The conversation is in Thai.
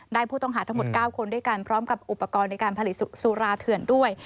ผู้ต้องหาทั้งหมด๙คนด้วยกันพร้อมกับอุปกรณ์ในการผลิตสุราเถื่อนด้วย